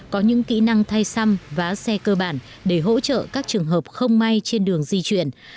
có những kỹ năng thay xăm vá xe cơ bản để hỗ trợ các trường hợp không may trên đường di chuyển